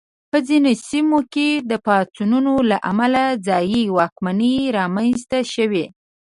په ځینو سیمو کې پاڅونونو له امله ځايي واکمنۍ رامنځته شوې.